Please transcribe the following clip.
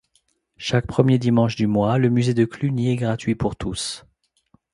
Chaque premier dimanche du mois, le musée de Cluny est gratuit pour tous.